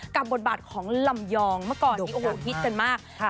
บทบาทของลำยองเมื่อก่อนนี้โอ้โหฮิตกันมาก